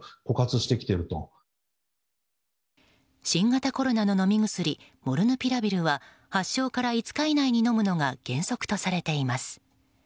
新型コロナの飲み薬モルヌピラビルは発症から５日以内に飲むのが原則とされています。